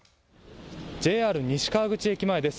ＪＲ西川口駅前です。